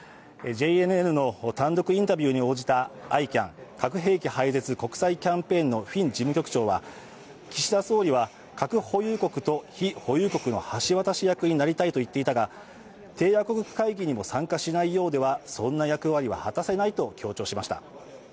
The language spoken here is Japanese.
ＪＮＮの単独インタビューに応じたＩＣＡＮ＝核兵器廃絶国際キャンペーンのフィン事務局長は、岸田総理は核保有国と非保有国の橋渡しになりたいと言っていたが、締約国会議にも参加しないようでは、そんな役割は果たせないと強調しました。